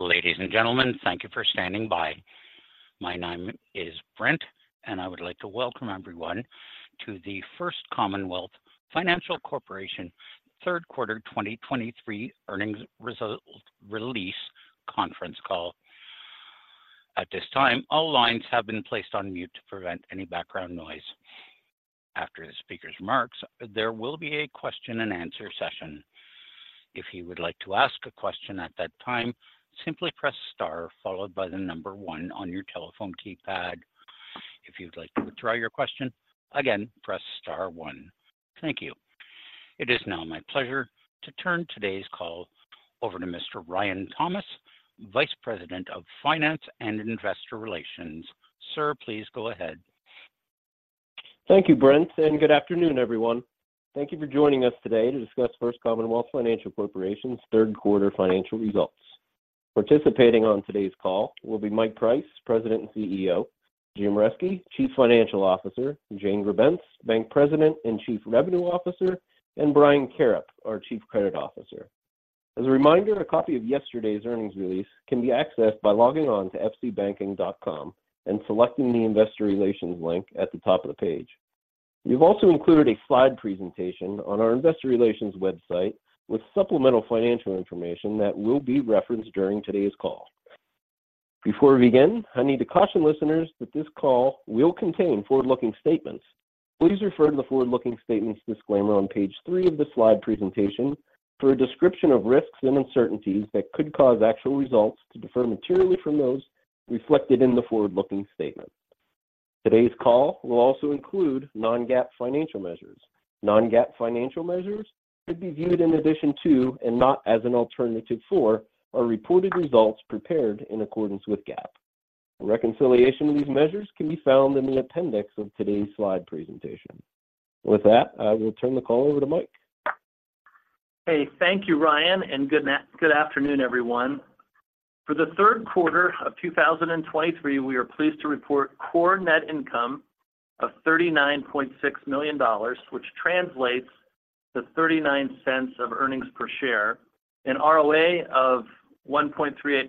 Ladies and gentlemen, thank you for standing by. My name is Brent, and I would like to welcome everyone to the First Commonwealth Financial Corporation third quarter 2023 earnings result release conference call. At this time, all lines have been placed on mute to prevent any background noise. After the speaker's remarks, there will be a question and answer session. If you would like to ask a question at that time, simply press star followed by the number one on your telephone keypad. If you'd like to withdraw your question again, press star one. Thank you. It is now my pleasure to turn today's call over to Mr. Ryan Thomas, Vice President of Finance and Investor Relations. Sir, please go ahead. Thank you, Brent, and good afternoon, everyone. Thank you for joining us today to discuss First Commonwealth Financial Corporation's third quarter financial results. Participating on today's call will be Mike Price, President and CEO, Jim Reske, Chief Financial Officer, Jane Grebenc, Bank President and Chief Revenue Officer, and Brian Karrip, our Chief Credit Officer. As a reminder, a copy of yesterday's earnings release can be accessed by logging on to fcbanking.com and selecting the Investor Relations link at the top of the page. We've also included a slide presentation on our investor relations website with supplemental financial information that will be referenced during today's call. Before we begin, I need to caution listeners that this call will contain forward-looking statements. Please refer to the forward-looking statements disclaimer on page three of the slide presentation for a description of risks and uncertainties that could cause actual results to differ materially from those reflected in the forward-looking statement. Today's call will also include non-GAAP financial measures. Non-GAAP financial measures should be viewed in addition to and not as an alternative for our reported results prepared in accordance with GAAP. A reconciliation of these measures can be found in the appendix of today's slide presentation. With that, I will turn the call over to Mike. Hey, thank you, Ryan, and good afternoon, everyone. For the third quarter of 2023, we are pleased to report core net income of $39.6 million, which translates to $0.39 of earnings per share, an ROA of 1.38%,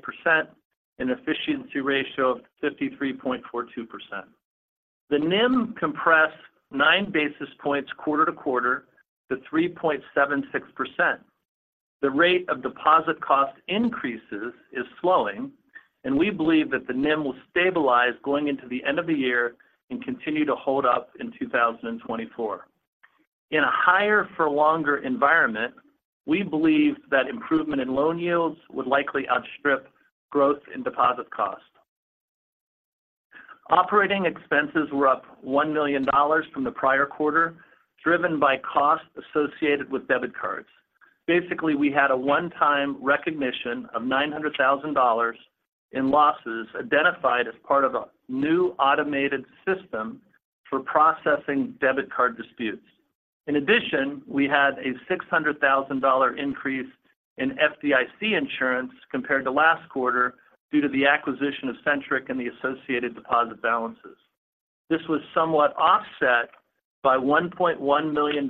an efficiency ratio of 53.42%. The NIM compressed 9 basis points quarter-to-quarter to 3.76%. The rate of deposit cost increases is slowing, and we believe that the NIM will stabilize going into the end of the year and continue to hold up in 2024. In a higher for longer environment, we believe that improvement in loan yields would likely outstrip growth in deposit costs. Operating expenses were up $1 million from the prior quarter, driven by costs associated with debit cards. Basically, we had a one-time recognition of $900,000 in losses identified as part of a new automated system for processing debit card disputes. In addition, we had a $600,000 increase in FDIC insurance compared to last quarter due to the acquisition of Centric and the associated deposit balances. This was somewhat offset by $1.1 million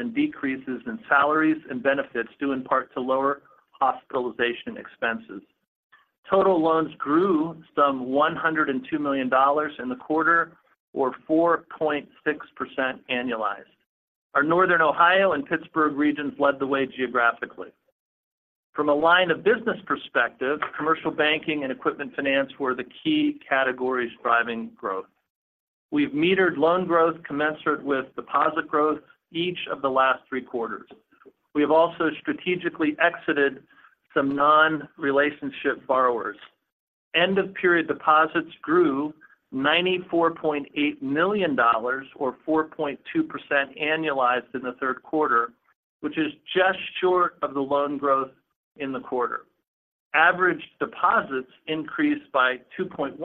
in decreases in salaries and benefits, due in part to lower hospitalization expenses. Total loans grew some $102 million in the quarter, or 4.6% annualized. Our Northern Ohio and Pittsburgh regions led the way geographically. From a line of business perspective, commercial banking and equipment finance were the key categories driving growth. We've metered loan growth commensurate with deposit growth each of the last three quarters. We have also strategically exited some non-relationship borrowers. End-of-period deposits grew $94.8 million, or 4.2% annualized in the third quarter, which is just short of the loan growth in the quarter. Average deposits increased by 2.1%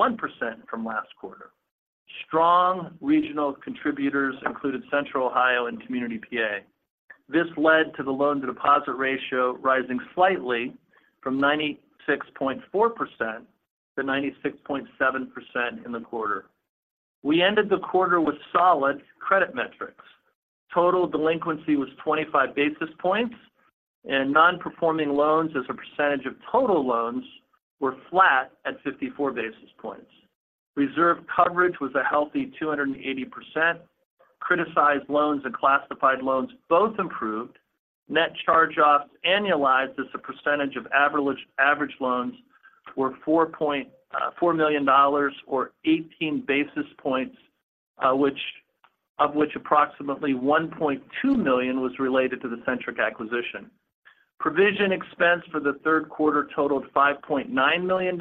from last quarter. Strong regional contributors included Central Ohio and Community PA. This led to the loan-to-deposit ratio rising slightly from 96.4%-96.7% in the quarter. We ended the quarter with solid credit metrics. Total delinquency was 25 basis points, and non-performing loans as a percentage of total loans were flat at 54 basis points. Reserve coverage was a healthy 280%. Criticized loans and classified loans both improved. Net charge-offs annualized as a percentage of average loans were $4 million, or 18 basis points, of which approximately $1.2 million was related to the Centric acquisition. Provision expense for the third quarter totaled $5.9 million,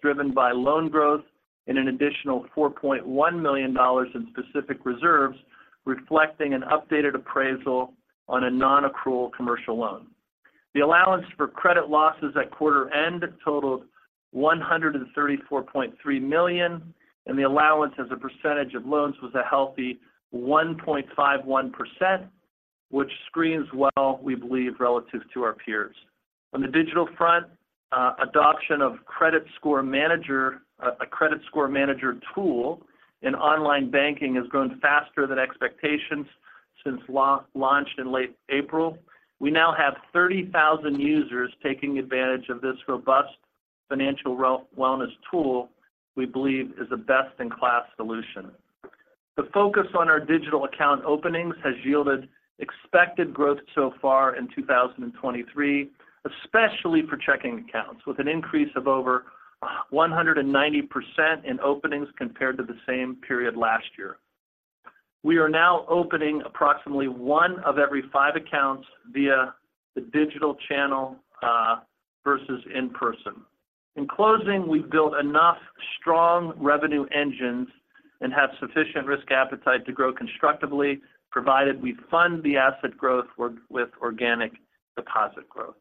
driven by loan growth and an additional $4.1 million in specific reserves, reflecting an updated appraisal on a non-accrual commercial loan. The allowance for credit losses at quarter end totaled $134.3 million, and the allowance as a percentage of loans was a healthy 1.51%, which screens well, we believe, relative to our peers. On the digital front, adoption of Credit Score Manager, a Credit Score Manager tool in online banking, has grown faster than expectations. Since launched in late April, we now have 30,000 users taking advantage of this robust financial wellness tool we believe is a best-in-class solution. The focus on our digital account openings has yielded expected growth so far in 2023, especially for checking accounts, with an increase of over 190% in openings compared to the same period last year. We are now opening approximately one of every five accounts via the digital channel versus in person. In closing, we've built enough strong revenue engines and have sufficient risk appetite to grow constructively, provided we fund the asset growth with organic deposit growth.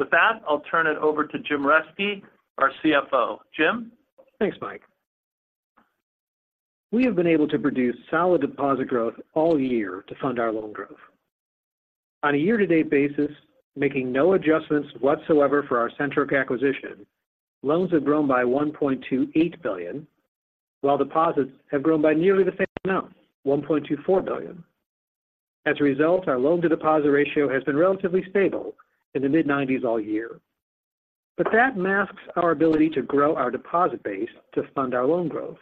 With that, I'll turn it over to Jim Reske, our CFO. Jim? Thanks, Mike. We have been able to produce solid deposit growth all year to fund our loan growth. On a year-to-date basis, making no adjustments whatsoever for our Centric acquisition, loans have grown by $1.28 billion, while deposits have grown by nearly the same amount, $1.24 billion. As a result, our loan-to-deposit ratio has been relatively stable in the mid-90s all year. But that masks our ability to grow our deposit base to fund our loan growth.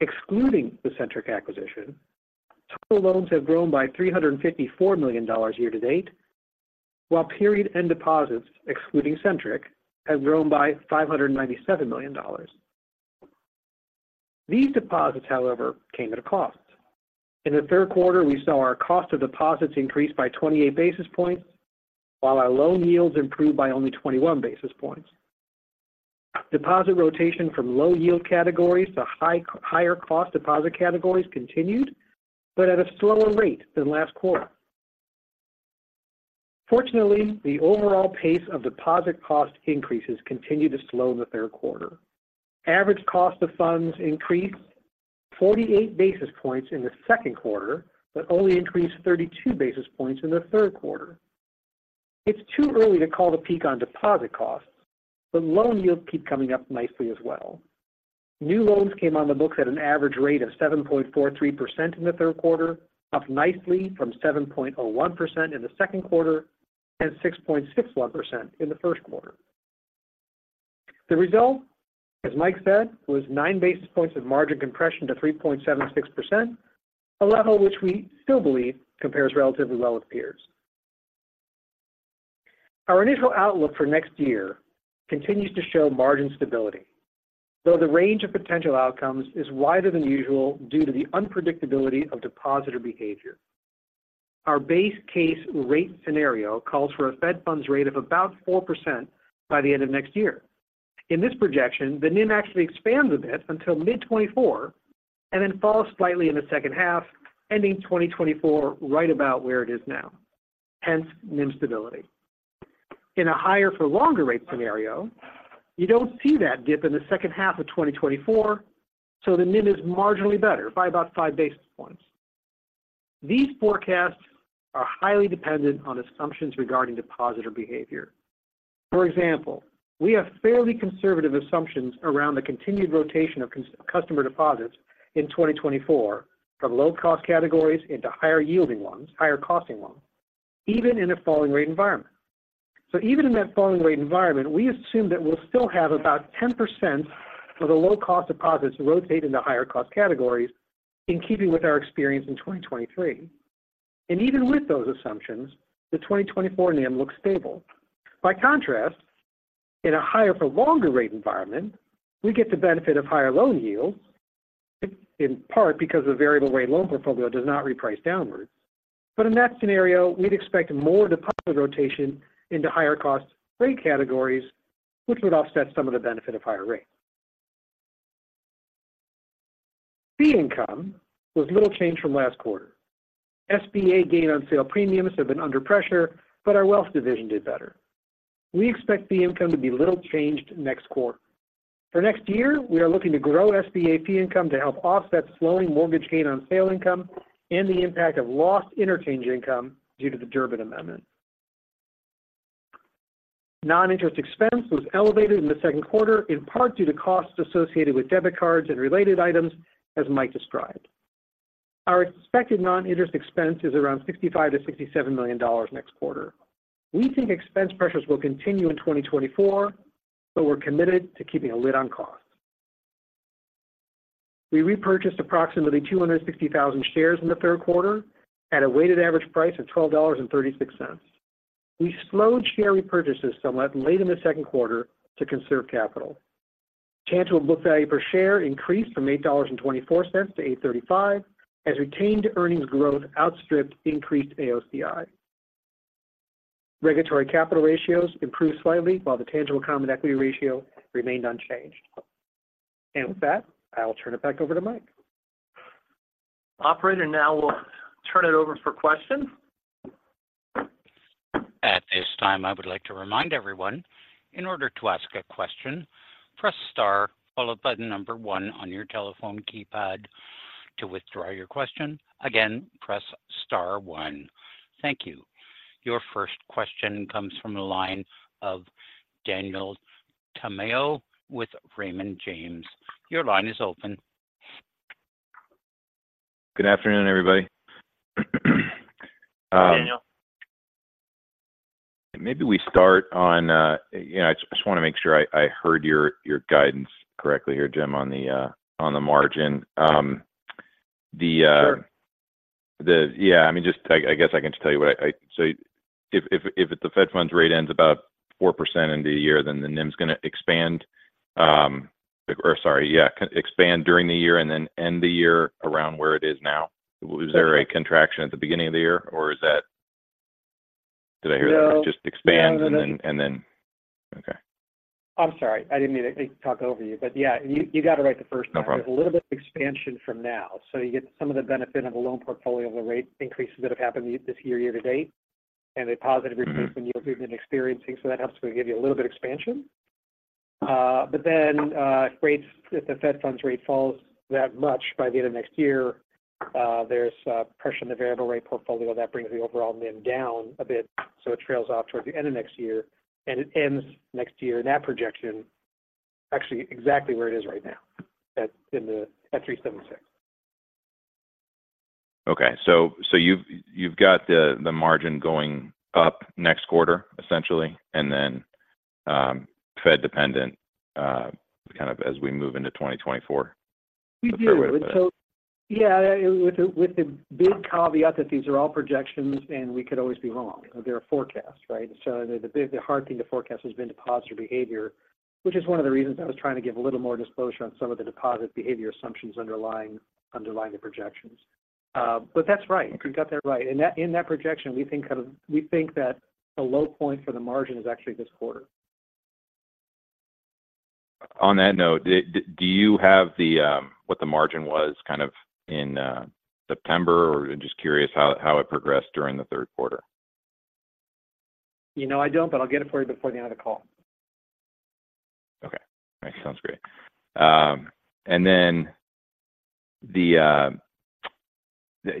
Excluding the Centric acquisition, total loans have grown by $354 million year-to-date, while period-end deposits, excluding Centric, have grown by $597 million. These deposits, however, came at a cost. In the third quarter, we saw our cost of deposits increase by 28 basis points, while our loan yields improved by only 21 basis points. Deposit rotation from low yield categories to higher cost deposit categories continued, but at a slower rate than last quarter. Fortunately, the overall pace of deposit cost increases continued to slow in the third quarter. Average cost of funds increased 48 basis points in the second quarter, but only increased 32 basis points in the third quarter. It's too early to call the peak on deposit costs, but loan yields keep coming up nicely as well. New loans came on the books at an average rate of 7.43% in the third quarter, up nicely from 7.01% in the second quarter and 6.61% in the first quarter. The result, as Mike said, was 9 basis points of margin compression to 3.76%, a level which we still believe compares relatively well with peers. Our initial outlook for next year continues to show margin stability, though the range of potential outcomes is wider than usual due to the unpredictability of depositor behavior. Our base case rate scenario calls for a Fed funds rate of about 4% by the end of next year. In this projection, the NIM actually expands a bit until mid-2024 and then falls slightly in the second half, ending 2024 right about where it is now, hence NIM stability. In a higher for longer rate scenario, you don't see that dip in the second half of 2024, so the NIM is marginally better by about 5 basis points. These forecasts are highly dependent on assumptions regarding depositor behavior. For example, we have fairly conservative assumptions around the continued rotation of customer deposits in 2024 from low-cost categories into higher yielding ones, higher costing ones, even in a falling rate environment. So even in that falling rate environment, we assume that we'll still have about 10% of the low-cost deposits rotate into higher cost categories in keeping with our experience in 2023. And even with those assumptions, the 2024 NIM looks stable. By contrast, in a higher for longer rate environment, we get the benefit of higher loan yields, in part because the variable rate loan portfolio does not reprice downwards. But in that scenario, we'd expect more deposit rotation into higher cost rate categories, which would offset some of the benefit of higher rates. Fee income was little change from last quarter. SBA gain on sale premiums have been under pressure, but our wealth division did better. We expect fee income to be little changed next quarter. For next year, we are looking to grow SBA fee income to help offset slowing mortgage gain on sale income and the impact of lost interchange income due to the Durbin Amendment. Non-interest expense was elevated in the second quarter, in part due to costs associated with debit cards and related items, as Mike described. Our expected non-interest expense is around $65 million-$67 million next quarter. We think expense pressures will continue in 2024, but we're committed to keeping a lid on costs. We repurchased approximately 260,000 shares in the third quarter at a weighted average price of $12.36. We slowed share repurchases somewhat late in the second quarter to conserve capital. Tangible book value per share increased from $8.24-$8.35, as retained earnings growth outstripped increased AOCI. Regulatory capital ratios improved slightly, while the tangible common equity ratio remained unchanged. With that, I will turn it back over to Mike. Operator, now we'll turn it over for questions. At this time, I would like to remind everyone, in order to ask a question, press Star, followed by the number one on your telephone keypad. To withdraw your question, again, press Star one. Thank you. Your first question comes from the line of Daniel Tamayo with Raymond James. Your line is open. Good afternoon, everybody. Daniel. Maybe we start on, you know, I just want to make sure I heard your guidance correctly here, Jim, on the margin. Sure. Yeah, I mean, just, I guess I can just tell you what I—so if the Fed funds rate ends about 4% into the year, then the NIM's gonna expand, or sorry, yeah, expand during the year and then end the year around where it is now. Right. Is there a contraction at the beginning of the year, or is that...? Did I hear that? No. Just expands and then... Okay. I'm sorry. I didn't mean to talk over you, but yeah, you got it right the first time. No problem. A little bit of expansion from now, so you get some of the benefit of a loan portfolio of the rate increases that have happened this year, year to date, and a positive increase- Mm-hmm In yields we've been experiencing, so that helps to give you a little bit expansion. But then, rates, if the Fed funds rate falls that much by the end of next year, there's pressure on the variable rate portfolio that brings the overall NIM down a bit, so it trails off towards the end of next year. And it ends next year in that projection, actually exactly where it is right now, at 3.76. Okay. So you've got the margin going up next quarter, essentially, and then Fed dependent, kind of as we move into 2024? We deal with it. So, yeah, with the big caveat that these are all projections, and we could always be wrong. They're a forecast, right? So the hard thing to forecast has been deposit behavior, which is one of the reasons I was trying to give a little more disclosure on some of the deposit behavior assumptions underlying the projections. But that's right. You got that right. In that projection, we think that the low point for the margin is actually this quarter. On that note, do you have what the margin was kind of in September? Or just curious how it progressed during the third quarter. You know, I don't, but I'll get it for you before the end of the call. Okay. Thanks. Sounds great. And then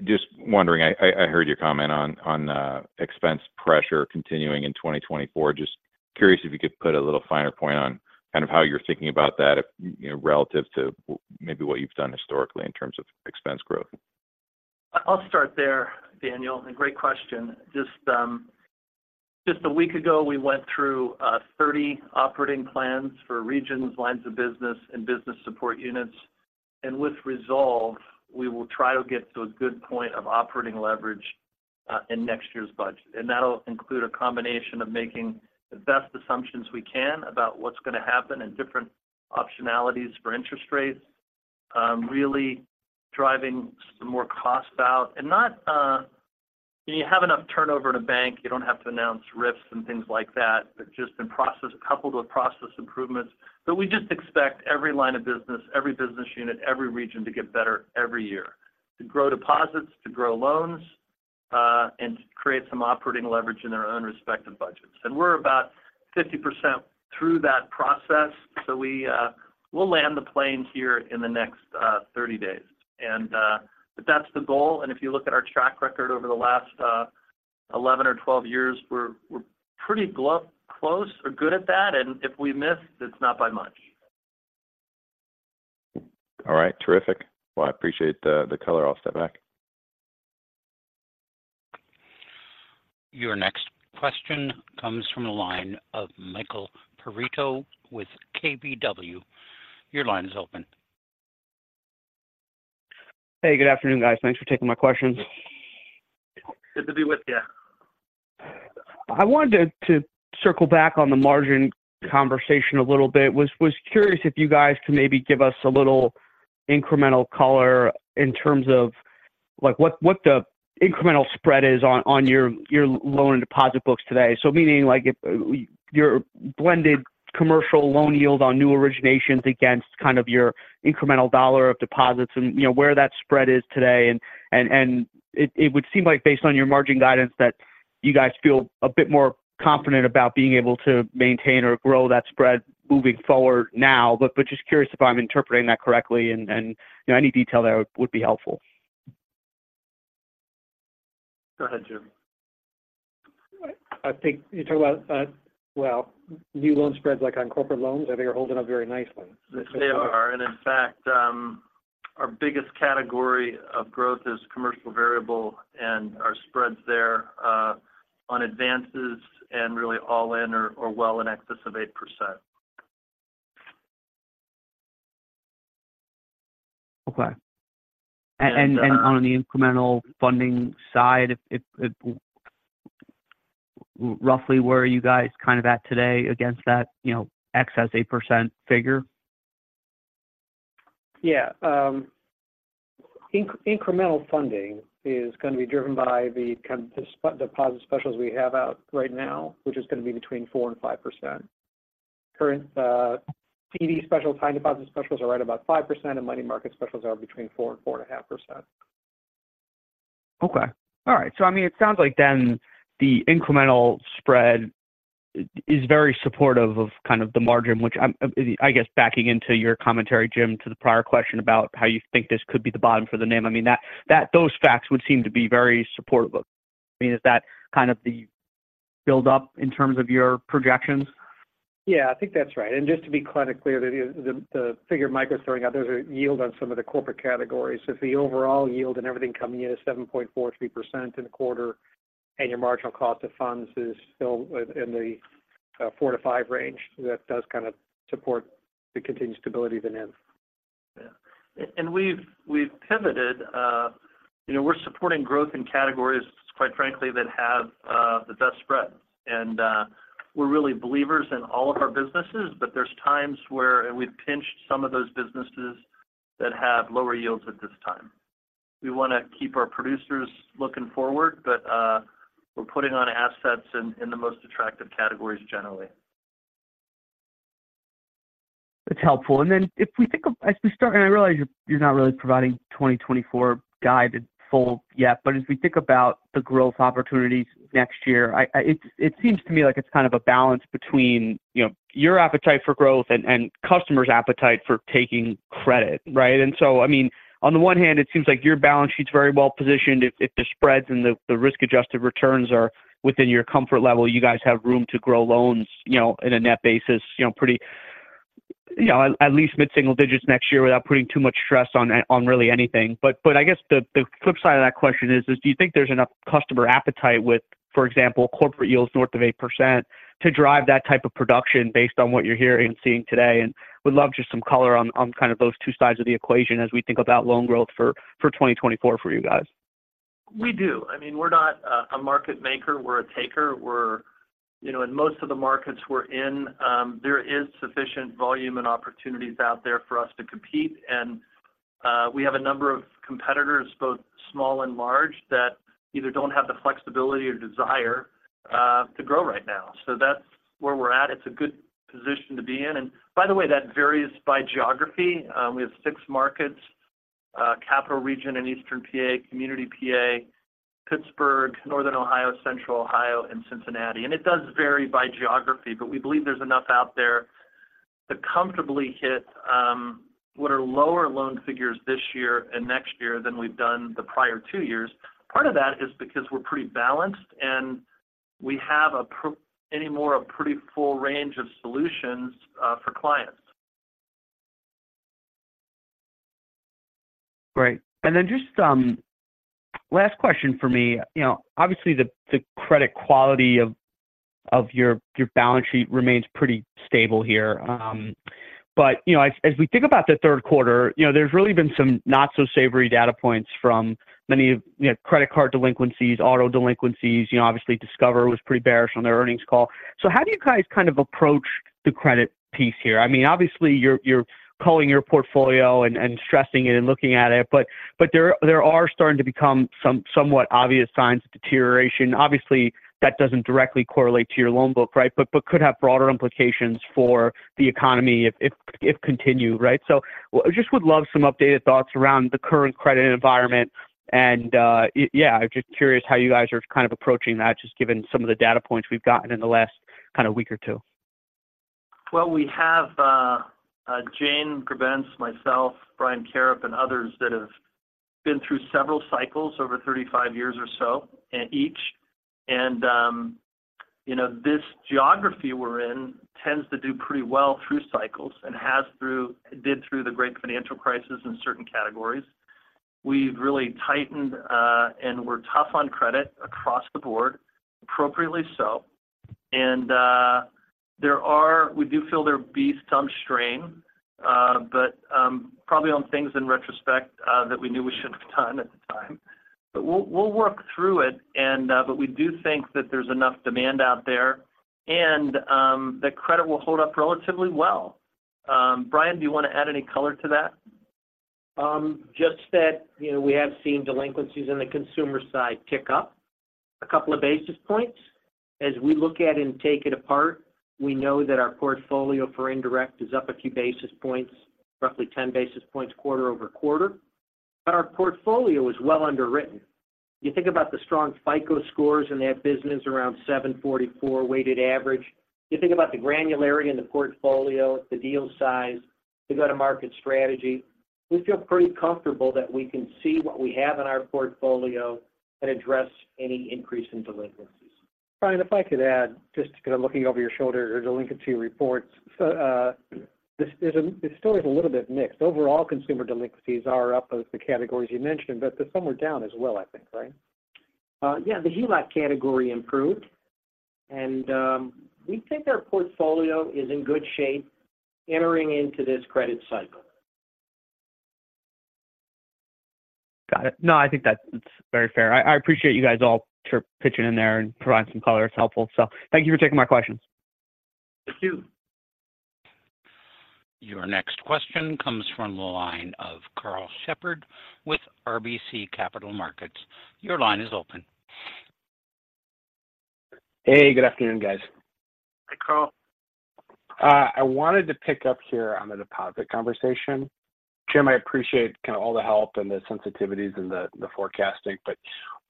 just wondering, I heard your comment on expense pressure continuing in 2024. Just curious if you could put a little finer point on kind of how you're thinking about that, if, you know, relative to maybe what you've done historically in terms of expense growth. I'll start there, Daniel, and great question. Just, just a week ago, we went through 30 operating plans for regions, lines of business, and business support units. With resolve, we will try to get to a good point of operating leverage in next year's budget. And that'll include a combination of making the best assumptions we can about what's going to happen and different optionalities for interest rates, really driving some more costs out. And not, when you have enough turnover in a bank, you don't have to announce RIFs and things like that. They've just been process, coupled with process improvements. But we just expect every line of business, every business unit, every region to get better every year, to grow deposits, to grow loans, and to create some operating leverage in their own respective budgets. We're about 50% through that process, so we'll land the plane here in the next 30 days. But that's the goal, and if you look at our track record over the last 11 or 12 years, we're pretty close or good at that, and if we miss, it's not by much. All right. Terrific. Well, I appreciate the color. I'll step back. Your next question comes from the line of Michael Perito with KBW. Your line is open. Hey, good afternoon, guys. Thanks for taking my questions. Good to be with you. I wanted to circle back on the margin conversation a little bit. Was curious if you guys could maybe give us a little incremental color in terms of, like, what the incremental spread is on your loan and deposit books today. So meaning, like, if your blended commercial loan yield on new originations against kind of your incremental dollar of deposits and, you know, where that spread is today. And it would seem like based on your margin guidance, that you guys feel a bit more confident about being able to maintain or grow that spread moving forward now. But just curious if I'm interpreting that correctly, and you know, any detail there would be helpful. Go ahead, Jim. I think you're talking about, well, new loan spreads, like on corporate loans? I think they're holding up very nicely. They are. And in fact, our biggest category of growth is commercial variable, and our spreads there, on advances and really all in are well in excess of 8%. Okay. On the incremental funding side... Roughly, where are you guys kind of at today against that, you know, excess 8% figure? Yeah, incremental funding is going to be driven by the kind of deposit specials we have out right now, which is going to be between 4% and 5%. Current CD specials, time deposit specials are right about 5%, and money market specials are between 4% and 4.5%. Okay. All right. So I mean, it sounds like then the incremental spread is very supportive of kind of the margin, which I'm, I guess, backing into your commentary, Jim, to the prior question about how you think this could be the bottom for the NIM. I mean, that those facts would seem to be very supportive. I mean, is that kind of the build-up in terms of your projections? Yeah, I think that's right. And just to be clear, that is the, the figure Mike was throwing out, there's a yield on some of the corporate categories. So if the overall yield and everything coming in is 7.43% in a quarter, and your marginal cost of funds is still in the 4-5 range, that does kind of support the continued stability of the NIM. Yeah. And we've pivoted, you know, we're supporting growth in categories, quite frankly, that have the best spread. And we're really believers in all of our businesses, but there's times where we've pinched some of those businesses that have lower yields at this time. We want to keep our producers looking forward, but we're putting on assets in the most attractive categories generally. That's helpful. And then if we think as we start, and I realize you're not really providing 2024 guidance yet, but as we think about the growth opportunities next year, it seems to me like it's kind of a balance between, you know, your appetite for growth and customers' appetite for taking credit, right? And so, I mean, on the one hand, it seems like your balance sheet's very well-positioned. If the spreads and the risk-adjusted returns are within your comfort level, you guys have room to grow loans, you know, in a net basis, you know, pretty, you know, at least mid-single digits next year without putting too much stress on really anything. But I guess the flip side of that question is do you think there's enough customer appetite with, for example, corporate yields north of 8% to drive that type of production based on what you're hearing and seeing today? And would love just some color on kind of those two sides of the equation as we think about loan growth for 2024 for you guys. We do. I mean, we're not a market maker, we're a taker. You know, in most of the markets we're in, there is sufficient volume and opportunities out there for us to compete. And, we have a number of competitors, both small and large, that either don't have the flexibility or desire, to grow right now. So that's where we're at. It's a good position to be in. And by the way, that varies by geography. We have six markets, Capital Region in Eastern PA, Community PA, Pittsburgh, Northern Ohio, Central Ohio, and Cincinnati. And it does vary by geography, but we believe there's enough out there to comfortably hit, what are lower loan figures this year and next year than we've done the prior two years. Part of that is because we're pretty balanced, and we have anymore, a pretty full range of solutions for clients. Great. And then just last question for me. You know, obviously, the credit quality of your balance sheet remains pretty stable here. But you know, as we think about the third quarter, you know, there's really been some not-so-savory data points from many of you know, credit card delinquencies, auto delinquencies. You know, obviously, Discover was pretty bearish on their earnings call. So how do you guys kind of approach the credit piece here? I mean, obviously, you're culling your portfolio and stressing it and looking at it, but there are starting to become somewhat obvious signs of deterioration. Obviously, that doesn't directly correlate to your loan book, right? But could have broader implications for the economy if continued, right? So just would love some updated thoughts around the current credit environment, and, yeah, I'm just curious how you guys are kind of approaching that, just given some of the data points we've gotten in the last kind of week or two. Well, we have Jane Grebenc, myself, Brian Karrip, and others that have been through several cycles over 35 years or so, each. And you know, this geography we're in tends to do pretty well through cycles and did through the great financial crisis in certain categories. We've really tightened, and we're tough on credit across the board, appropriately so. And we do feel there be some strain, but probably on things in retrospect that we knew we shouldn't have done at the time. But we'll, we'll work through it, and but we do think that there's enough demand out there, and the credit will hold up relatively well. Brian, do you want to add any color to that? Just that, you know, we have seen delinquencies in the consumer side tick up a couple of basis points. As we look at and take it apart, we know that our portfolio for indirect is up a few basis points, roughly 10 basis points quarter-over-quarter, but our portfolio is well underwritten. You think about the strong FICO scores in that business, around 744 weighted average. You think about the granularity in the portfolio, the deal size, the go-to-market strategy. We feel pretty comfortable that we can see what we have in our portfolio and address any increase in delinquencies. Brian, if I could add, just kind of looking over your shoulder, there's a delinquency report. So, it still is a little bit mixed. Overall, consumer delinquencies are up as the categories you mentioned, but they're somewhere down as well, I think, right? Yeah, the HELOC category improved, and we think our portfolio is in good shape entering into this credit cycle. Got it. No, I think that's very fair. I, I appreciate you guys all for pitching in there and providing some color. It's helpful. Thank you for taking my questions. Thank you. Your next question comes from the line of Karl Shepherd with RBC Capital Markets. Your line is open. Hey, good afternoon, guys. Hi, Karl.... I wanted to pick up here on the deposit conversation. Jim, I appreciate kind of all the help and the sensitivities and the forecasting, but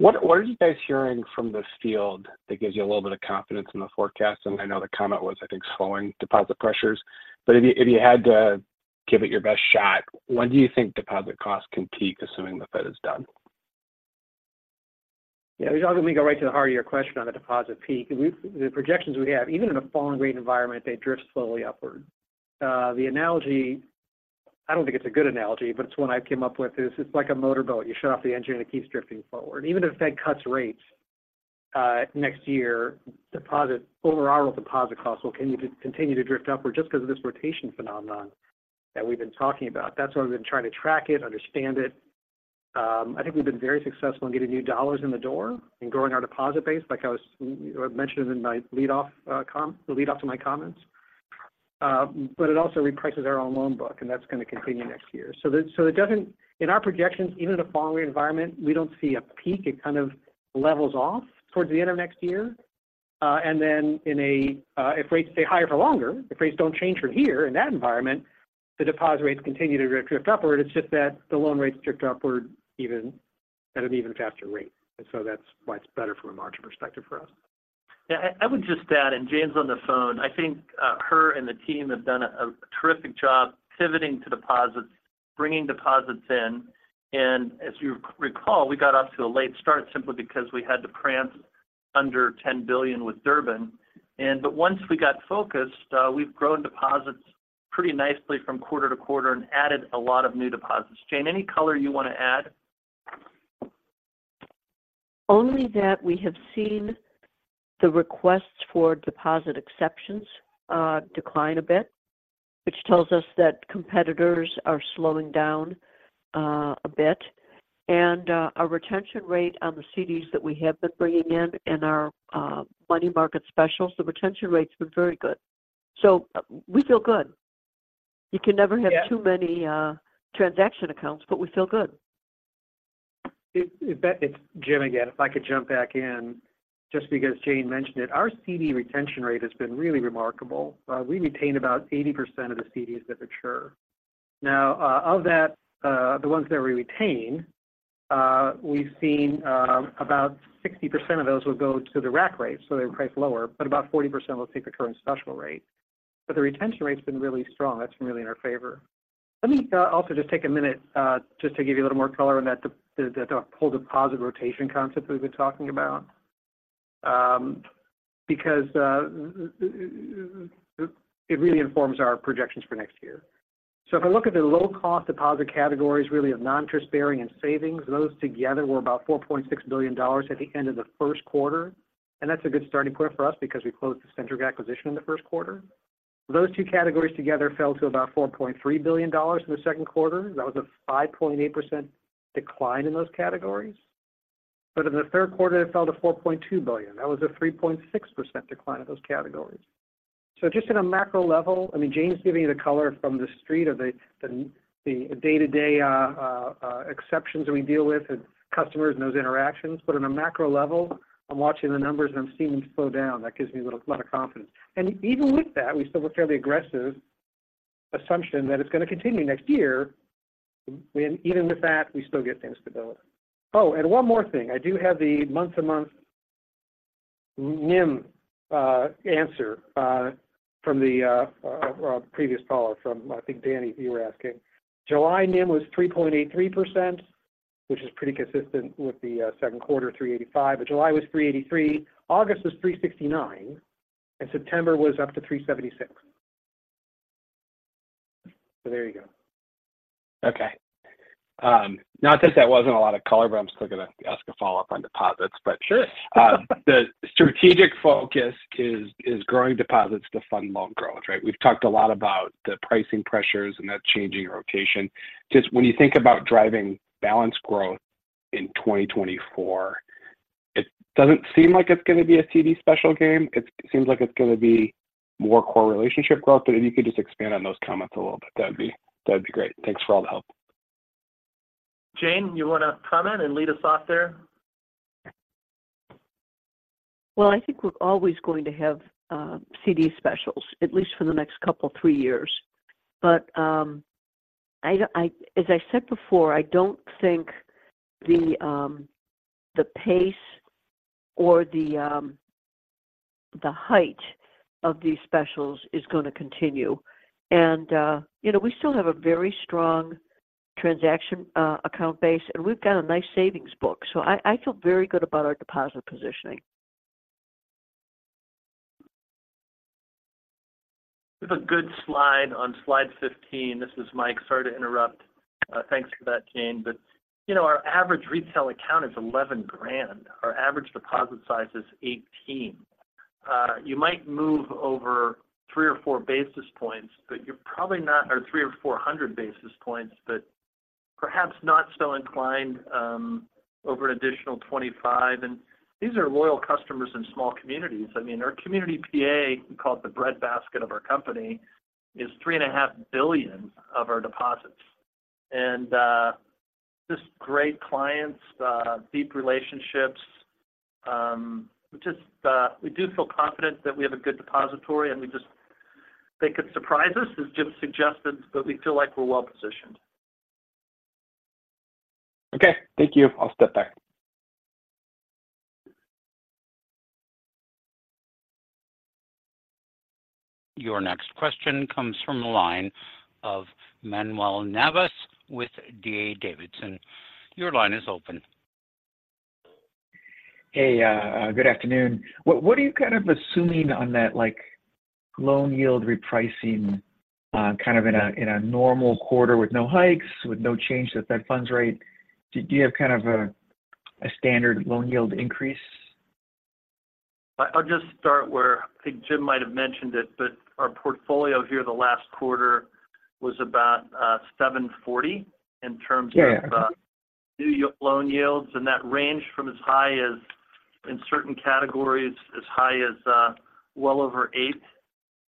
what are you guys hearing from this field that gives you a little bit of confidence in the forecast? And I know the comment was, I think, slowing deposit pressures. But if you had to give it your best shot, when do you think deposit costs can peak, assuming the Fed is done? Yeah, let me go right to the heart of your question on the deposit peak. The projections we have, even in a falling rate environment, they drift slowly upward. The analogy, I don't think it's a good analogy, but it's one I came up with, is it's like a motorboat. You shut off the engine, and it keeps drifting forward. Even if the Fed cuts rates next year, deposit overall deposit costs will continue to continue to drift upward just because of this rotation phenomenon that we've been talking about. That's why we've been trying to track it, understand it. I think we've been very successful in getting new dollars in the door and growing our deposit base, like I was, I mentioned in my lead off the lead off to my comments. But it also reprices our own loan book, and that's going to continue next year. So it doesn't—in our projections, even in a falling rate environment, we don't see a peak. It kind of levels off towards the end of next year. And then in a, if rates stay higher for longer, if rates don't change from here in that environment, the deposit rates continue to drift, drift upward. It's just that the loan rates drift upward even at an even faster rate. And so that's why it's better from a margin perspective for us. Yeah, I would just add, and Jane's on the phone, I think, her and the team have done a terrific job pivoting to deposits, bringing deposits in. And as you recall, we got off to a late start simply because we had to dance under 10 billion with Durbin. But once we got focused, we've grown deposits pretty nicely from quarter to quarter and added a lot of new deposits. Jane, any color you want to add? Only that we have seen the requests for deposit exceptions, decline a bit, which tells us that competitors are slowing down, a bit. And, our retention rate on the CDs that we have been bringing in, in our, money market specials, the retention rates have been very good. So we feel good. Yeah. You can never have too many transaction accounts, but we feel good. It's Jim again. If I could jump back in, just because Jane mentioned it, our CD retention rate has been really remarkable. We retain about 80% of the CDs that mature. Now, of that, the ones that we retain, we've seen about 60% of those will go to the rack rate, so they price lower, but about 40% will take the current special rate. But the retention rate's been really strong. That's been really in our favor. Let me also just take a minute just to give you a little more color on that, the whole deposit rotation concept we've been talking about, because it really informs our projections for next year. So if I look at the low-cost deposit categories, really of non-interest bearing and savings, those together were about $4.6 billion at the end of the first quarter, and that's a good starting point for us because we closed the Centric acquisition in the first quarter. Those two categories together fell to about $4.3 billion in the second quarter. That was a 5.8% decline in those categories. But in the third quarter, it fell to $4.2 billion. That was a 3.6% decline in those categories. So just in a macro level, I mean, Jane's giving you the color from the street of the day-to-day exceptions that we deal with and customers and those interactions, but on a macro level, I'm watching the numbers, and I'm seeing them slow down. That gives me a little, a lot of confidence. And even with that, we still look fairly aggressive assumption that it's going to continue next year. Even with that, we still get the instability. Oh, and one more thing. I do have the month-to-month NIM answer from the previous caller from, I think, Danny, you were asking. July NIM was 3.83%, which is pretty consistent with the second quarter, 3.85%. But July was 3.83%. August was 3.69%, and September was up to 3.76%. So there you go. Okay. Not that that wasn't a lot of color, but I'm still going to ask a follow-up on deposits, but- Sure. The strategic focus is growing deposits to fund loan growth, right? We've talked a lot about the pricing pressures and that changing rotation. Just when you think about driving balance growth in 2024, it doesn't seem like it's going to be a CD special game. It seems like it's going to be more core relationship growth, but if you could just expand on those comments a little bit, that'd be great. Thanks for all the help. Jane, you want to comment and lead us off there? Well, I think we're always going to have CD specials, at least for the next couple three years. But, as I said before, I don't think the pace or the height of these specials is going to continue. And, you know, we still have a very strong transaction account base, and we've got a nice savings book, so I feel very good about our deposit positioning. We have a good slide on slide 15. This is Mike. Sorry to interrupt. Thanks for that, Jane. But, you know, our average retail account is $11,000. Our average deposit size is $18,000. You might move over three or four basis points, but you're probably not... or 300 or 400 basis points, but perhaps not so inclined over an additional 25. And these are loyal customers in small communities. I mean, our Community PA, we call it the breadbasket of our company, is $3.5 billion of our deposits. And just great clients, deep relationships, just we do feel confident that we have a good depository, and we just they could surprise us, as Jim suggested, but we feel like we're well positioned. Okay, thank you. I'll step back. Your next question comes from the line of Manuel Navas with D.A. Davidson. Your line is open. Hey, good afternoon. What are you kind of assuming on that, like, loan yield repricing, kind of in a normal quarter with no hikes, with no change to Fed funds rate? Do you have kind of a standard loan yield increase? I'll just start where I think Jim might have mentioned it, but our portfolio here the last quarter was about 740 in terms of- Yeah... new loan yields, and that ranged from as high as in certain categories, as high as, well over eight.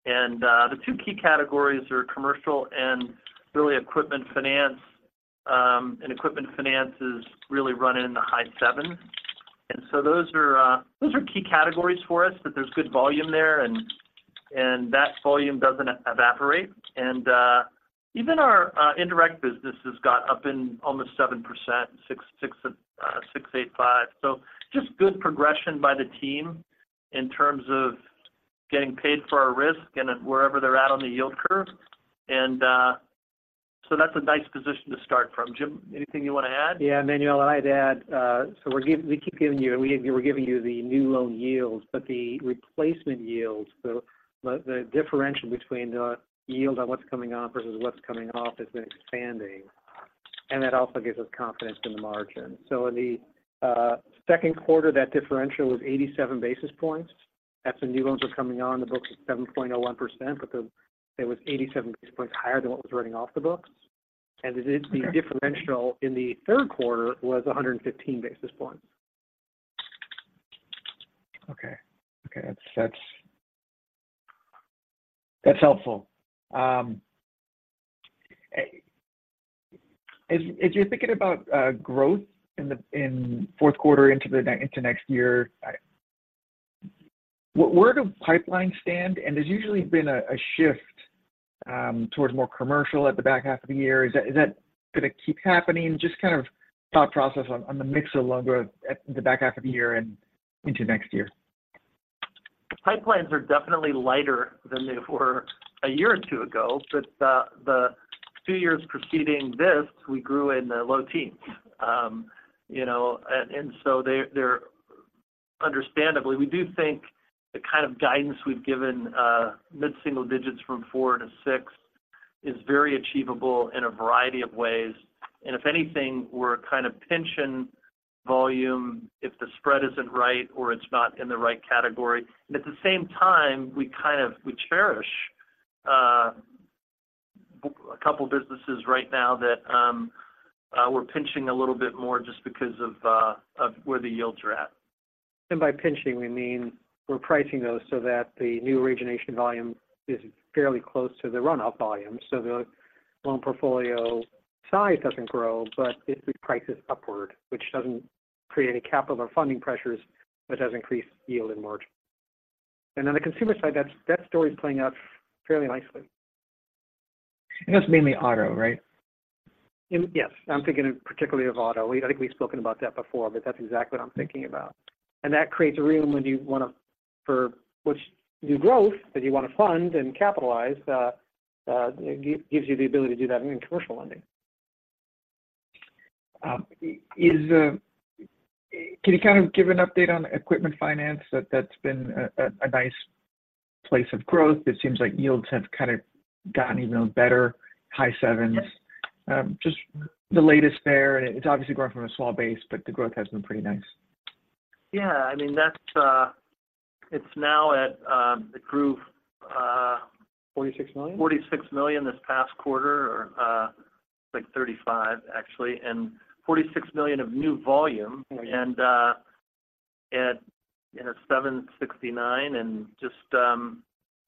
And, the two key categories are commercial and really equipment finance. And equipment finance is really running in the high seven. And so those are, those are key categories for us, that there's good volume there, and that volume doesn't evaporate. And, even our indirect business has got up in almost 7%, 6.685%. So just good progression by the team in terms of getting paid for our risk and wherever they're at on the yield curve. And, so that's a nice position to start from. Jim, anything you want to add? Yeah, Manuel, I'd add, so we're giving you the new loan yields, but the replacement yields, so the differential between the yield on what's coming on versus what's coming off has been expanding, and that also gives us confidence in the margin. So in the second quarter, that differential was 87 basis points. That's when new loans were coming on. The book was 7.01%, but it was 87 basis points higher than what was running off the books. Okay. The differential in the third quarter was 115 basis points. Okay. Okay, that's, that's, that's helpful. As you're thinking about growth in the fourth quarter into the next year, where does pipeline stand? And there's usually been a shift towards more commercial at the back half of the year. Is that going to keep happening? Just kind of thought process on the mix of loan growth at the back half of the year and into next year. Pipelines are definitely lighter than they were a year or two ago, but the two years preceding this, we grew in the low teens. You know, they're understandably. We do think the kind of guidance we've given, mid-single digits from four to six, is very achievable in a variety of ways. And if anything, we're kind of pinching volume, if the spread isn't right or it's not in the right category. And at the same time, we kind of we cherish a couple businesses right now that we're pinching a little bit more just because of of where the yields are at. And by pinching, we mean we're pricing those so that the new origination volume is fairly close to the run-up volume. So the loan portfolio size doesn't grow, but it prices upward, which doesn't create any capital or funding pressures, but does increase yield and margin. And on the consumer side, that, that story is playing out fairly nicely. That's mainly auto, right? Yes, I'm thinking particularly of auto. I think we've spoken about that before, but that's exactly what I'm thinking about. And that creates room when you want to, for which new growth that you want to fund and capitalize, gives you the ability to do that in commercial lending. Can you kind of give an update on equipment finance? That's been a nice place of growth. It seems like yields have kind of gotten even better, high sevens. Yes. Just the latest there. It's obviously growing from a small base, but the growth has been pretty nice. Yeah. I mean, that's, it's now at, it grew, $46 million? $46 million this past quarter, or, like $35, actually, and $46 million of new volume. Okay. And at, you know, 769, and just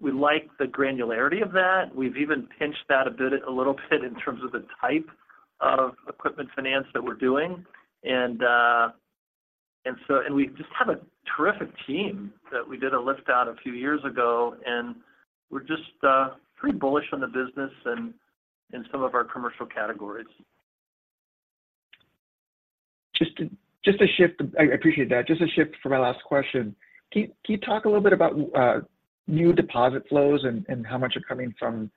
we like the granularity of that. We've even pinched that a bit, a little bit in terms of the type of equipment finance that we're doing. And and so and we just have a terrific team that we did a lift out a few years ago, and we're just pretty bullish on the business and in some of our commercial categories. Just to shift. I appreciate that. Just a shift for my last question. Can you talk a little bit about new deposit flows and how much are coming from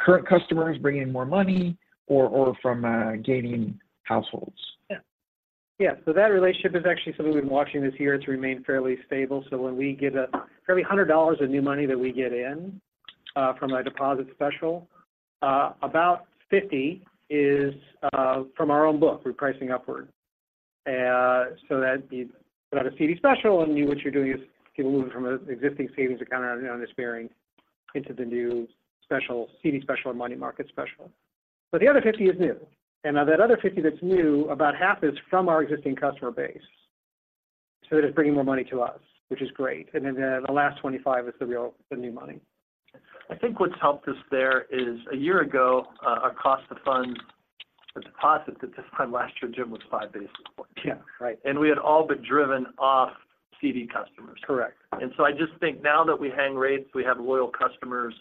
current customers bringing in more money or from gaining households? Yeah. Yeah, so that relationship is actually something we've been watching this year. It's remained fairly stable. So when we get $100 of new money that we get in from a deposit special, about 50 is from our own book, we're pricing upward. So that'd be about a CD special, and what you're doing is people moving from an existing savings account on, on the savings into the new special, CD special or money market special. But the other 50 is new, and of that other 50 that's new, about half is from our existing customer base. So it is bringing more money to us, which is great. And then the last 25 is the real, the new money. I think what's helped us there is a year ago, our cost of funds, the deposit at this time last year, Jim, was 5 basis points. Yeah, right. We had all but driven off CD customers. Correct. And so I just think now that we hang rates, we have loyal customers,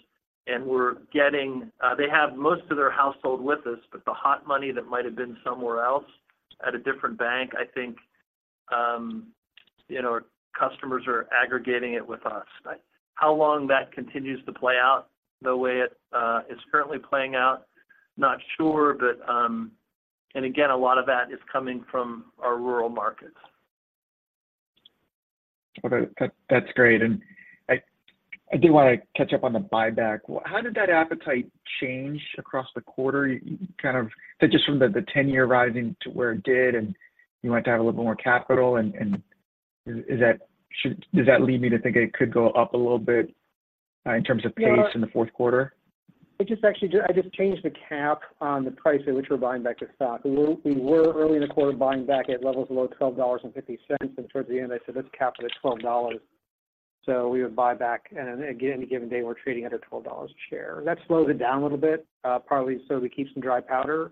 and we're getting, they have most of their household with us, but the hot money that might have been somewhere else at a different bank, I think, you know, our customers are aggregating it with us. Right. How long that continues to play out, the way it is currently playing out? Not sure, but, and again, a lot of that is coming from our rural markets. Okay. That's great. And I do want to catch up on the buyback. Well, how did that appetite change across the quarter? You kind of—so just from the ten-year rising to where it did, and you wanted to have a little more capital, and is that—should—does that lead me to think it could go up a little bit in terms of pace- Yeah in the fourth quarter? I just changed the cap on the price at which we're buying back the stock. We were early in the quarter, buying back at levels below $12.50, and towards the end, I said, "Let's cap it at $12." So we would buy back, and again, any given day, we're trading at $12 a share. That slows it down a little bit, partly so we keep some dry powder,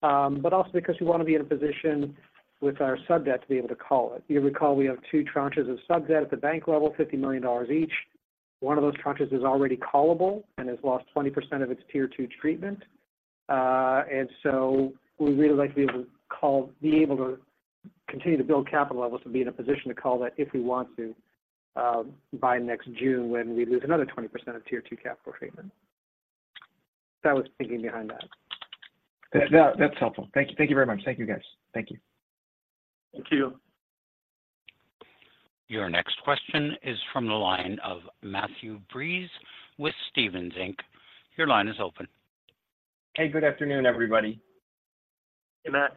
but also because we want to be in a position with our sub debt to be able to call it. You recall, we have two tranches of sub debt at the bank level, $50 million each. One of those tranches is already callable and has lost 20% of its Tier Two treatment. And so we'd really like to be able to call—be able to continue to build capital levels to be in a position to call that if we want to, by next June, when we lose another 20% of Tier Two capital treatment. That was the thinking behind that. That, that's helpful. Thank you. Thank you very much. Thank you, guys. Thank you. Thank you. Your next question is from the line of Matthew Breese with Stephens, Inc. Your line is open. Hey, good afternoon, everybody. Hey, Matt.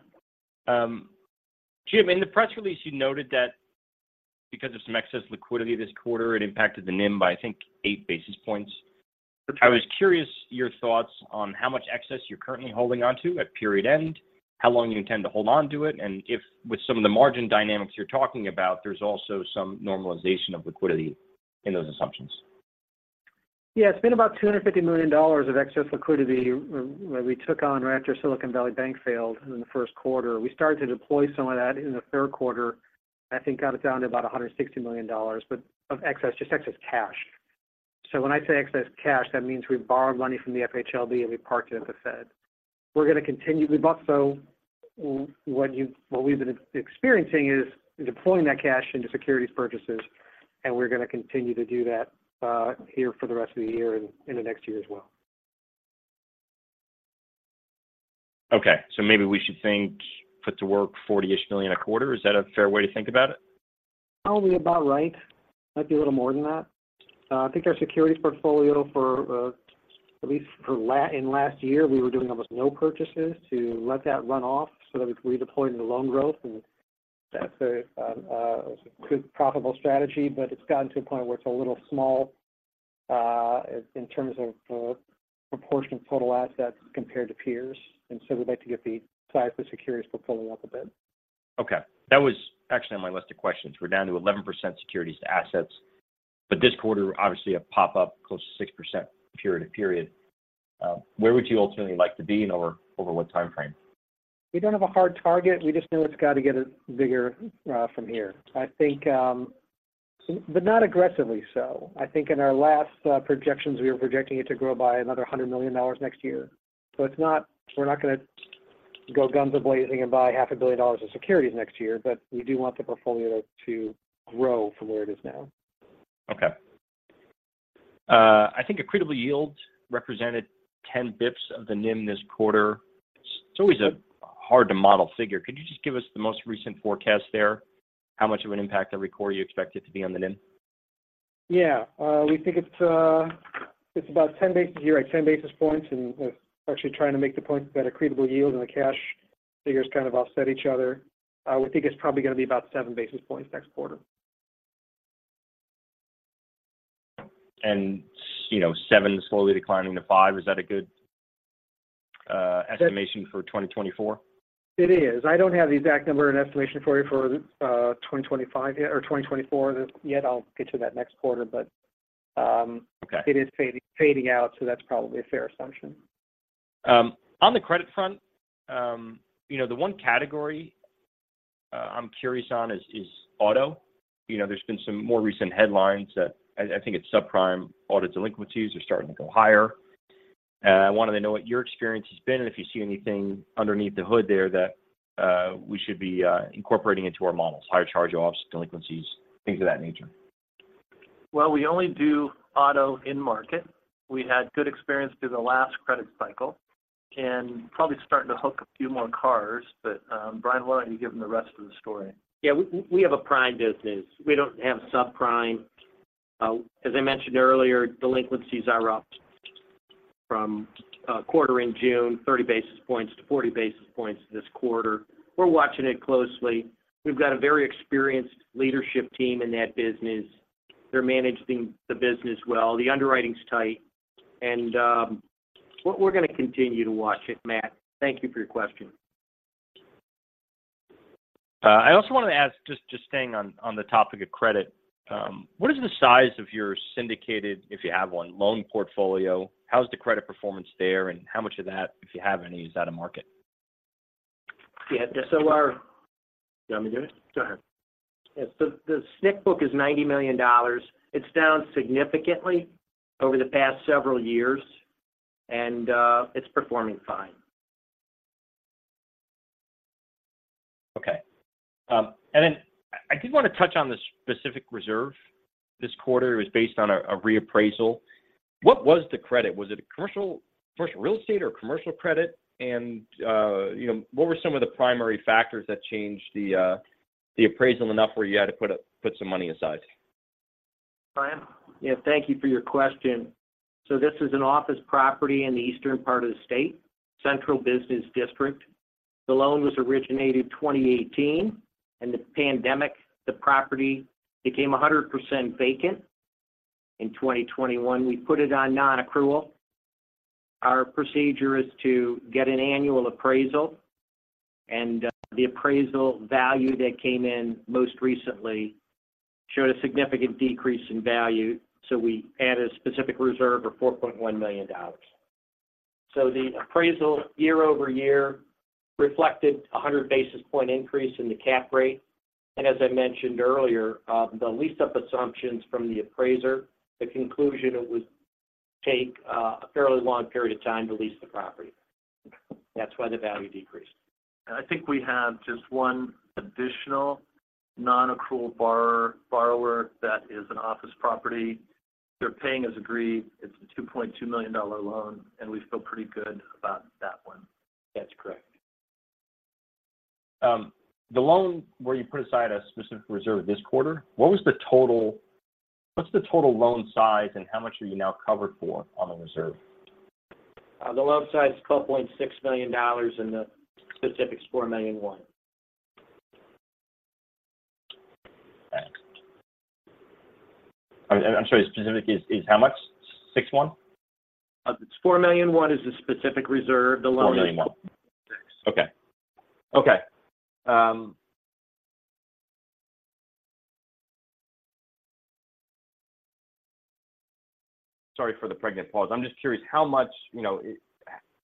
Jim, in the press release, you noted that because of some excess liquidity this quarter, it impacted the NIM by, I think, 8 basis points. That's right. I was curious your thoughts on how much excess you're currently holding onto at period end, how long you intend to hold on to it, and if with some of the margin dynamics you're talking about, there's also some normalization of liquidity in those assumptions. Yeah. It's been about $250 million of excess liquidity where we took on right after Silicon Valley Bank failed in the first quarter. We started to deploy some of that in the third quarter. I think got it down to about $160 million, but of excess, just excess cash. So when I say excess cash, that means we borrowed money from the FHLB, and we parked it at the Fed. We're going to continue to do both, so what we've been experiencing is deploying that cash into securities purchases, and we're going to continue to do that here for the rest of the year and in the next year as well. Okay. So maybe we should think put to work $40-ish million a quarter. Is that a fair way to think about it? Probably about right. Might be a little more than that. I think our securities portfolio, at least for last year, we were doing almost no purchases to let that run off so that we could redeploy it into loan growth, and that's a good profitable strategy, but it's gotten to a point where it's a little small in terms of the proportion of total assets compared to peers. And so we'd like to get the size of the securities portfolio up a bit. Okay. That was actually on my list of questions. We're down to 11% securities to assets, but this quarter, obviously, a pop-up, close to 6% period to period. Where would you ultimately like to be and over, over what time frame? We don't have a hard target. We just know it's got to get bigger from here. I think but not aggressively so. I think in our last projections, we were projecting it to grow by another $100 million next year. So it's not - we're not going to go guns blazing and buy $500 million of securities next year, but we do want the portfolio to grow from where it is now. Okay. I think accretable yields represented 10 basis points of the NIM this quarter. It's always a hard-to-model figure. Could you just give us the most recent forecast there? How much of an impact every quarter you expect it to be on the NIM? Yeah. We think it's, it's about 10 basis, you're right, 10 basis points, and we're actually trying to make the point that accretable yield and the cash figures kind of offset each other. We think it's probably going to be about 7 basis points next quarter. You know, seven slowly declining to five, is that a good estimation? That- -for 2024? It is. I don't have the exact number and estimation for you for 2025 yet, or 2024 yet. I'll get to that next quarter, but, Okay... it is fading, fading out, so that's probably a fair assumption. On the credit front, you know, the one category I'm curious on is auto. You know, there's been some more recent headlines that I think it's subprime auto delinquencies are starting to go higher. And I wanted to know what your experience has been and if you see anything underneath the hood there that we should be incorporating into our models, higher charge-offs, delinquencies, things of that nature. Well, we only do auto in-market. We had good experience through the last credit cycle and probably starting to hook a few more cars. But, Brian, why don't you give him the rest of the story? Yeah, we have a prime business. We don't have subprime. As I mentioned earlier, delinquencies are up from quarter in June, 30 basis points to 40 basis points this quarter. We're watching it closely. We've got a very experienced leadership team in that business. They're managing the business well. The underwriting's tight, and we're going to continue to watch it, Matt. Thank you for your question. I also wanted to ask, just staying on the topic of credit, what is the size of your syndicated, if you have one, loan portfolio? How is the credit performance there, and how much of that, if you have any, is out of market? Yeah, so. You want me to do it? Go ahead. Yeah. So the SNC book is $90 million. It's down significantly over the past several years, and it's performing fine. Okay. And then I did want to touch on the specific reserve this quarter. It was based on a reappraisal. What was the credit? Was it a commercial real estate or commercial credit? And you know, what were some of the primary factors that changed the appraisal enough where you had to put some money aside? Brian? Yeah, thank you for your question. So this is an office property in the eastern part of the state, central business district. The loan was originated 2018, and the pandemic, the property became 100% vacant. In 2021, we put it on nonaccrual. Our procedure is to get an annual appraisal, and the appraisal value that came in most recently showed a significant decrease in value, so we added a specific reserve of $4.1 million. So the appraisal year-over-year reflected a 100 basis point increase in the cap rate. And as I mentioned earlier, the leased-up assumptions from the appraiser, the conclusion, it would take a fairly long period of time to lease the property. That's why the value decreased. I think we have just one additional nonaccrual borrower that is an office property. They're paying as agreed. It's a $2.2 million loan, and we feel pretty good about that one. That's correct. The loan where you put aside a specific reserve this quarter, what's the total loan size, and how much are you now covered for on the reserve? The loan size is $12.6 million, and the specifics $4.1 million. Thanks. I'm sorry, specific is, is how much? 61? It's $4.1 million is the specific reserve, the loan- $4.1 million Six. Okay. Okay. Sorry for the pregnant pause. I'm just curious, how much, you know,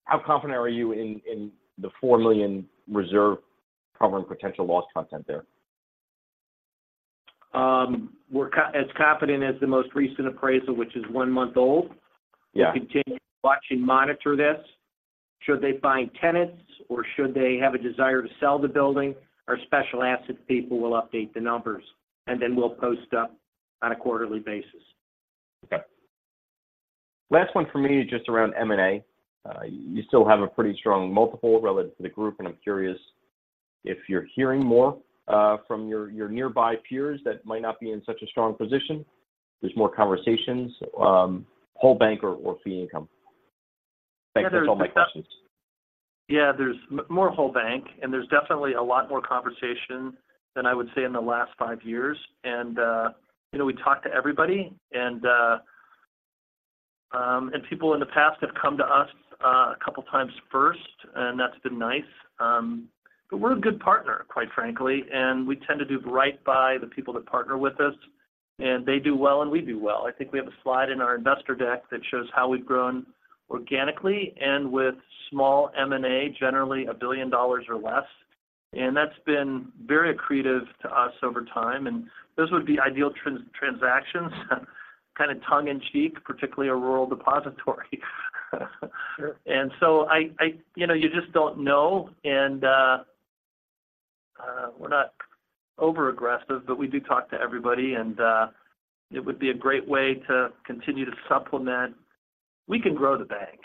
how confident are you in the $4 million reserve covering potential losses contained there? We're as confident as the most recent appraisal, which is one month old. Yeah. We continue to watch and monitor this. Should they find tenants or should they have a desire to sell the building, our special asset people will update the numbers, and then we'll post up on a quarterly basis. Okay. Last one for me, just around M&A. You still have a pretty strong multiple relative to the group, and I'm curious if you're hearing more from your nearby peers that might not be in such a strong position. There's more conversations, whole bank or fee income. Thanks. That's all my questions. Yeah, there's more whole bank, and there's definitely a lot more conversation than I would say in the last five years. And, you know, we talk to everybody, and, and people in the past have come to us, a couple of times first, and that's been nice. But we're a good partner, quite frankly, and we tend to do right by the people that partner with us, and they do well, and we do well. I think we have a slide in our investor deck that shows how we've grown organically and with small M&A, generally $1 billion or less, and that's been very accretive to us over time. And those would be ideal transactions, kind of tongue in cheek, particularly a rural depository. Sure. And so, you know, you just don't know, and we're not over aggressive, but we do talk to everybody, and it would be a great way to continue to supplement. We can grow the bank.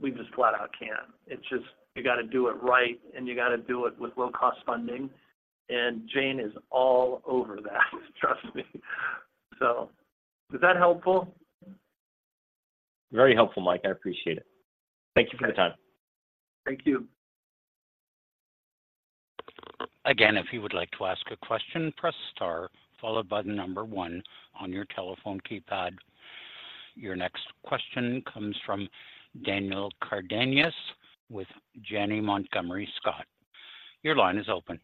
We just flat out can. It's just, you got to do it right, and you got to do it with low-cost funding, and Jane is all over that, trust me. So is that helpful? Very helpful, Mike. I appreciate it. Thank you for your time. Thank you. Again, if you would like to ask a question, press star followed by the number one on your telephone keypad. Your next question comes from Daniel Cardenas with Janney Montgomery Scott. Your line is open.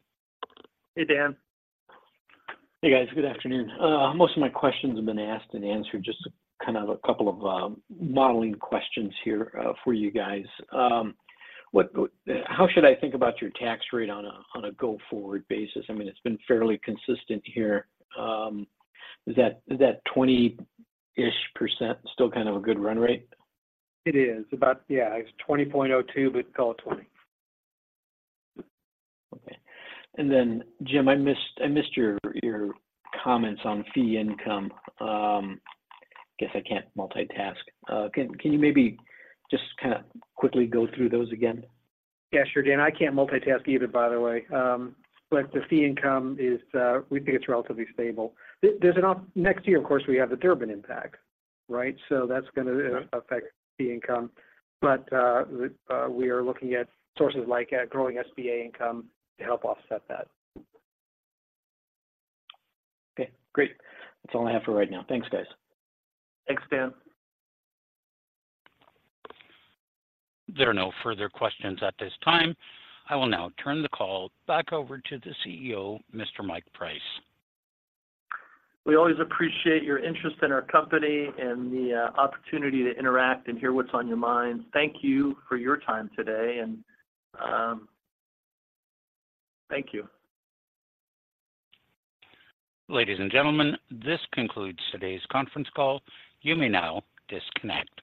Hey, Dan. Hey, guys. Good afternoon. Most of my questions have been asked and answered, just kind of a couple of modeling questions here, for you guys. What, how should I think about your tax rate on a, on a go-forward basis? I mean, it's been fairly consistent here. Is that, is that 20-ish% still kind of a good run rate? It is. About, yeah, it's 20.02, but call it 20. Okay. And then, Jim, I missed your comments on fee income. Guess I can't multitask. Can you maybe just kinda quickly go through those again? Yeah, sure, Dan. I can't multitask either, by the way. But the fee income is, we think it's relatively stable. There's next year, of course, we have the Durbin impact, right? So that's gonna- Yeah... affect the income, but we are looking at sources like growing SBA income to help offset that. Okay, great. That's all I have for right now. Thanks, guys. Thanks, Dan. There are no further questions at this time. I will now turn the call back over to the CEO, Mr. Mike Price. We always appreciate your interest in our company and the opportunity to interact and hear what's on your mind. Thank you for your time today, and thank you. Ladies and gentlemen, this concludes today's conference call. You may now disconnect.